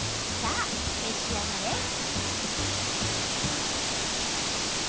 さあ召し上がれ！